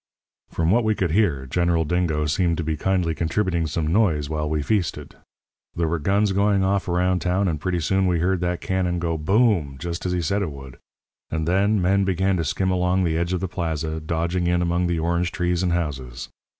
"From what we could hear, General Dingo seemed to be kindly contributing some noise while we feasted. There were guns going off around town, and pretty soon we heard that cannon go 'BOOM!' just as he said it would. And then men began to skim along the edge of the plaza, dodging in among the orange trees and houses.